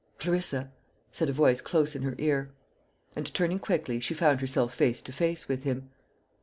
"Clarissa," said a voice close in her ear; and turning quickly, she found herself face to face with him.